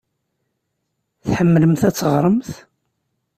Tḥemmlemt ad teɣremt?